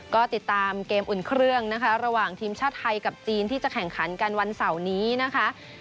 ก็ติดตามเกมอุ่นเครื่องนะคะระหว่างทีมชาติไทยกับจีนที่จะแข่งขันกันวันเสาร์นี้นะคะ